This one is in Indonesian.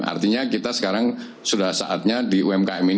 artinya kita sekarang sudah saatnya di umkm ini kita bisa mencapai keuntungan